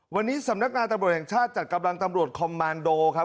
วันนี้สำนักงานตำรวจแห่งชาติจัดกำลังตำรวจคอมมานโดครับ